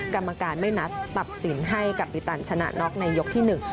กรรมการไม่นัดตัดสินให้กับบิตันชนะน็อกในยกที่หนึ่ง